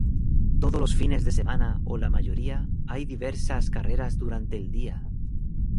Todos los fines de semana, o la mayoría, hay diversas carreras durante el día.